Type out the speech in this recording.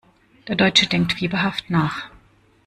Der Deutsche denkt fieberhaft nach.